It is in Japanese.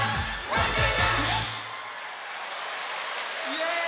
イエーイ！